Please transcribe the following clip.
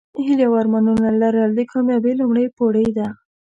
هیلې او ارمانونه لرل د کامیابۍ لومړۍ پوړۍ ده.